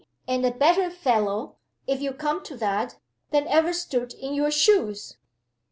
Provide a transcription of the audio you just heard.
and a better fellow, if you come to that, than ever stood in your shoes!"